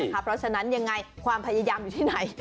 เพราะฉะนั้นว่าภยามอยู่ที่ไหน